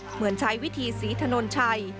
เหมือนใช้วิธีศรีถนนชัย